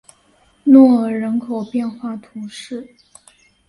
若尔人口变化图示